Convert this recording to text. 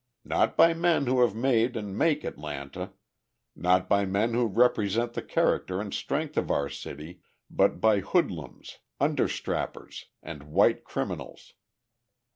Not by men who have made and make Atlanta, not by men who represent the character and strength of our city, but by hoodlums, understrappers and white criminals.